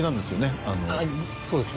そうですね。